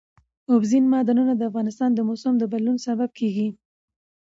اوبزین معدنونه د افغانستان د موسم د بدلون سبب کېږي.